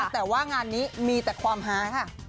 แต่งานนี้มีแต่ความฮา